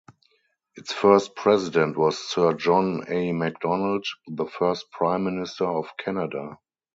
Its first president was Sir John A. Macdonald, the first Prime Minister of Canada.